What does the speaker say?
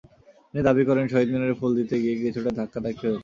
তিনি দাবি করেন, শহীদ মিনারে ফুল দিতে গিয়ে কিছুটা ধাক্কাধাক্কি হয়েছে।